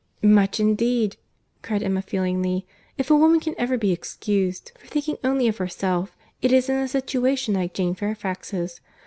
"Much, indeed!" cried Emma feelingly. "If a woman can ever be excused for thinking only of herself, it is in a situation like Jane Fairfax's.